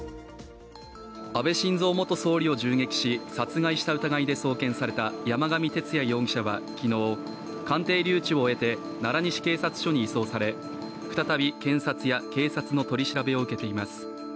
安倍晋三元総理を銃撃し殺害した疑いで送検された山上徹也容疑者は昨日鑑定留置を終えて奈良西警察署に移送され再び、検察や警察の取り調べを受けています。